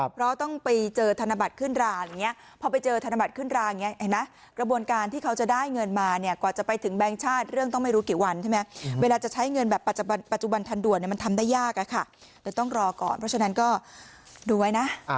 เพราะต้องไปเจอธนบัตรขึ้นราอย่างนี้พอไปเจอธนบัตรขึ้นรางอย่างนี้เห็นไหมกระบวนการที่เขาจะได้เงินมากว่าจะไปถึงแบงค์ชาติเรื่องต้องไม่รู้กี่วันใช่ไหมเวลาจะใช้เงินแบบปัจจุบันทันด่วนมันทำได้ยากอะค่ะเดี๋ยวต้องรอก่อนเพราะฉะนั้นก็ดูไว้นะ